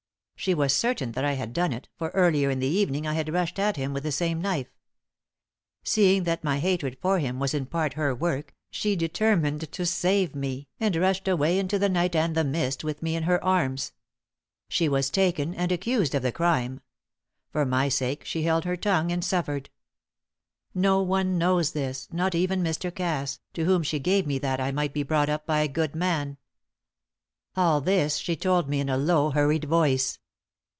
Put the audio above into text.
She was certain that I had done it, for earlier in the evening I had rushed at him with the same knife. Seeing that my hatred for him was in part her work, she determined to save me, and rushed away into the night and the mist with me in her arms. She was taken, and accused of the crime; for my sake, she held her tongue and suffered. No one knows this not even Mr. Cass, to whom she gave me that I might be brought up by a good man. All this she told me in a low, hurried voice.